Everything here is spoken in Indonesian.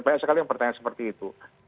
banyak sekali yang bertanya seperti itu